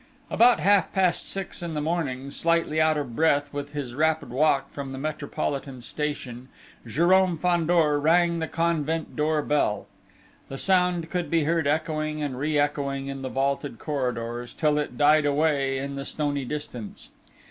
About half past six in the morning, slightly out of breath with his rapid walk from the Metropolitan station, Jérôme Fandor rang the convent door bell. The sound could be heard echoing and re echoing in the vaulted corridors, till it died away in the stony distance.